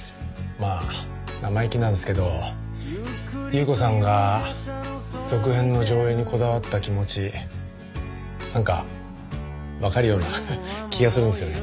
まあ生意気なんですけど祐子さんが続編の上映にこだわった気持ちなんかわかるような気がするんですよね。